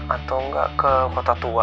atau nggak ke kota tua